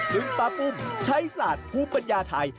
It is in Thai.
ลุงป๊าปุ้มใช้ศาสตร์ภูมิปัญญาไทย